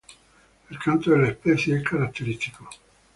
El canto de la especie es característico.